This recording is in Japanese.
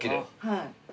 はい。